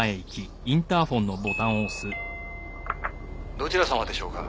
「どちら様でしょうか？」